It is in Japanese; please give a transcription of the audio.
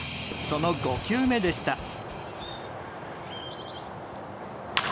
その５球目でした。